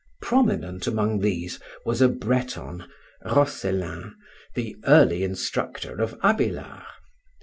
Prominent among these was a Breton, Roscellin, the early instructor of Abélard.